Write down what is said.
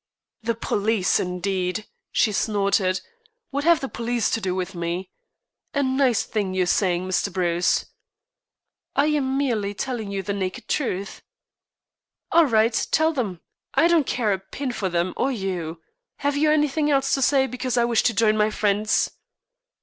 "The police, indeed," she snorted; "what have the police to do with me? A nice thing you're saying, Mr. Bruce." "I am merely telling you the naked truth." "All right. Tell them. I don't care a pin for them or you. Have you anything else to say, because I wish to join my friends?"